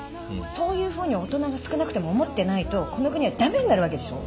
そういうふうに大人が少なくても思ってないとこの国は駄目になるわけでしょ？